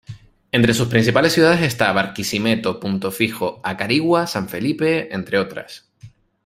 Entre sus principales ciudades están Barquisimeto, Punto Fijo, Acarigua, San Felipe, entre otras.